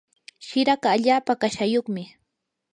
shiraka allaapa kashayuqmi.